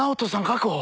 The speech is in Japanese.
確保。